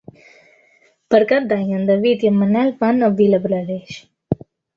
Per Cap d'Any en David i en Manel van a Vilablareix.